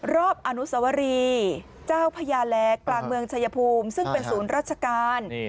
รอบอนุสวรีเจ้าพญาแลกลางเมืองชายภูมิซึ่งเป็นศูนย์ราชการ